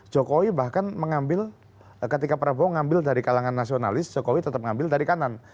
jokowi bahkan mengambil ketika prabowo ngambil dari kalangan nasionalis jokowi tetap ngambil dari kanan